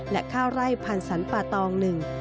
และข้าวไร่พันธ์สันป่าตองหนึ่ง